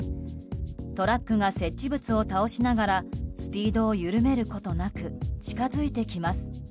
トラックが設置物を倒しながらスピードを緩めることなく近づいてきます。